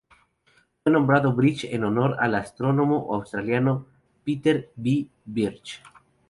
Fue nombrado Birch en honor al astrónomo australiano Peter V. Birch.